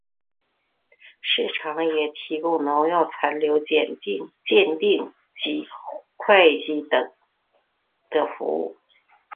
市场也提供农药残留检定及会计等的服务。